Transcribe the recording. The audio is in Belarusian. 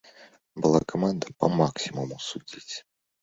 Была каманда па максімуму судзіць.